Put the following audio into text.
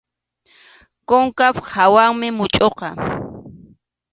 Kunkap hawanmi muchʼuqa.